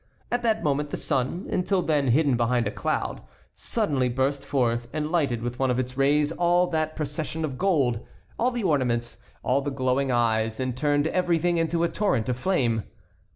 At that moment the sun, until then hidden behind a cloud, suddenly burst forth and lighted with one of its rays all that procession of gold, all the ornaments, all the glowing eyes, and turned everything into a torrent of flame.